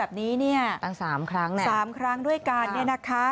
แกล้งครับแกล้งชัดเลย